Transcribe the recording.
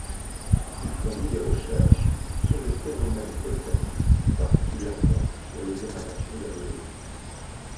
Il conduit des recherches sur les phénoménes volcaniques et particulièrement sur les émanations gazeuses.